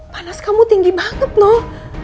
panas kamu tinggi banget loh